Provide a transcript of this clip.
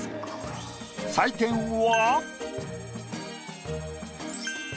採点は。